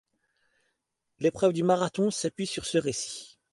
L'épreuve du marathon s'appuie sur ce récit.